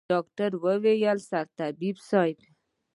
ډاکتر وويل سرطبيب صايب.